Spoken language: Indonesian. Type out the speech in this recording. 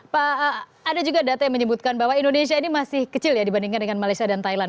pak ada juga data yang menyebutkan bahwa indonesia ini masih kecil ya dibandingkan dengan malaysia dan thailand